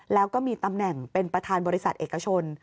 แล้วก็มีตำแหน่งเป็นประธานบริษัทเอกชน